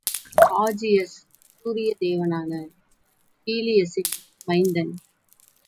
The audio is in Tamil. ஆஜியஸ் சூரிய தேவனான ஹீலியஸின் மைந்தன்.